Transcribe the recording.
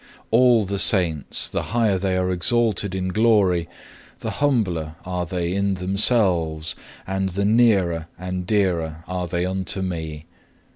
All the Saints, the higher they are exalted in glory, the humbler are they in themselves, and the nearer and dearer are they unto Me.